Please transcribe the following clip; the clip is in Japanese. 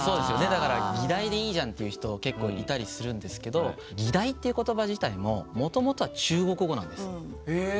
だから「議題」でいいじゃんっていう人が結構いたりするんですけど「議題」っていう言葉自体ももともとは中国語なんです。